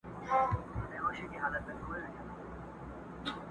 قبرکن به دي په ګورکړي د لمر وړانګي به ځلیږي!.